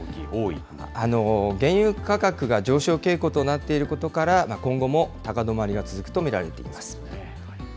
原油価格が上昇となっていることから、今後も高止まりが続くと見られています。